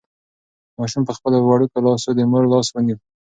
ماشوم په خپلو وړوکو لاسو د مور لاس ونیو.